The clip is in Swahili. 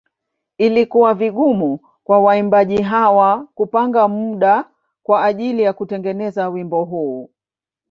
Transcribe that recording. Ilikuwa vigumu kwa waimbaji hawa kupanga muda kwa ajili ya kutengeneza wimbo huu.